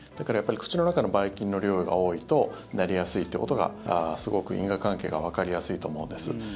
口の中のばい菌の量が多いとなりやすいということがすごく因果関係がわかりやすいと思うんです。